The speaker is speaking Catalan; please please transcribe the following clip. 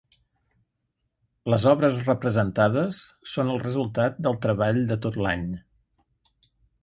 Les obres representades són el resultat del treball de tot l’any.